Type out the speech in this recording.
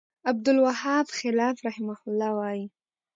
ب : عبدالوهاب خلاف رحمه الله وایی